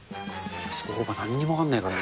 相場なんにも分かんないからな。